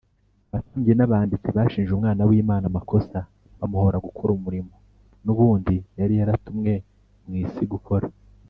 Abatambyi n’abanditsi bashinje Umwana w’Imana amakosa bamuhora gukora umurimo n’ubundi yari yaratumwe mu isi gukora